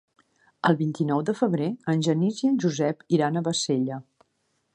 El vint-i-nou de febrer en Genís i en Josep iran a Bassella.